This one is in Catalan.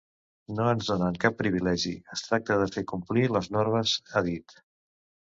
No ens donen cap privilegi, es tracta de fer complir les normes, ha dit.